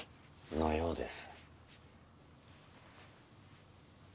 のようです。